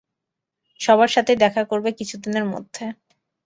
সবার সাথেই দেখা করবে কিছুদিনের মধ্যে।